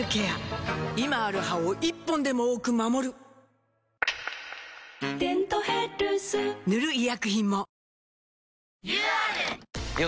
今ある歯を１本でも多く守る「デントヘルス」塗る医薬品も